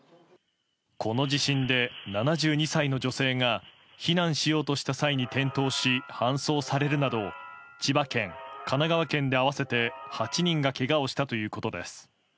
この地震で７２歳の女性が避難しようとした際に転倒し搬送されるなど千葉県・神奈川県で合わせて８人がけがをしたということです。